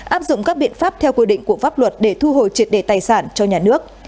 áp dụng các biện pháp theo quy định của pháp luật để thu hồi triệt đề tài sản cho nhà nước